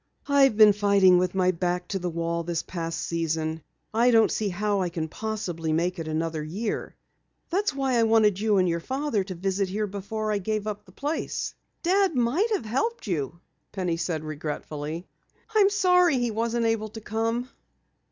"I've been fighting with my back to the wall this past season. I don't see how I possibly can make it another year. That is why I wanted you and your father to visit here before I gave up the place." "Dad might have helped you," Penny said regretfully. "I'm sorry he wasn't able to come."